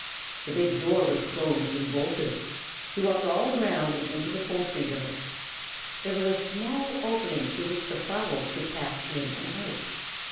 The big door was closed and bolted. He walked all around and into the poultry yard. There was a small opening through which the fowls could pass in and out.